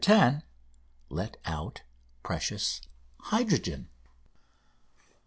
10) let out precious hydrogen.